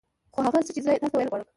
خو هغه څه چې زه يې تاسو ته ويل غواړم.